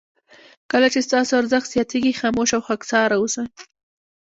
کله چې ستاسو ارزښت زیاتېږي خاموشه او خاکساره اوسه.